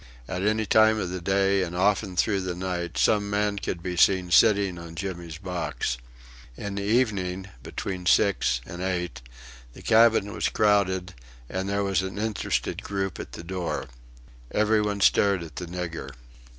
At any time of the day and often through the night some man could be seen sitting on Jimmy's box. In the evening, between six and eight, the cabin was crowded, and there was an interested group at the door. Every one stared at the nigger.